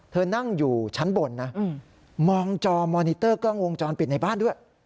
เธอนั่งอยู่ชั้นบนนะมองจอมอนิเตอร์กล้องวงจรปิดในบ้านด้วย